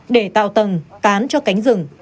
để tạo tầng tán cho cánh rừng